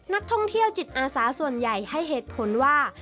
นักท่องเที่ยวจิตอาสาส่วนใหญ่ให้เหตุผลว่า